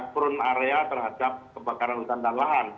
prune area terhadap kebakaran hutan dan lahan